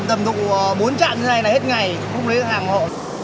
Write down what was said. tầm độ bốn trạng như này là hết ngày không lấy hàng hộ